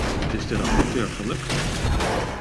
Het is de rapporteur gelukt.